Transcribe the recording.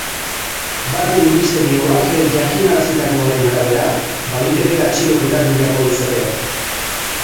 Barne ministerioak jakinarazitakoaren arabera, baliteke atxiloketa gehiago izatea.